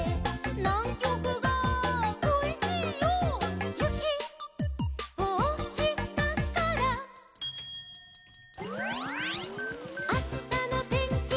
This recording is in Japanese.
「『ナンキョクがこいしいよ』」「ゆきをおしたから」「あしたのてんきは」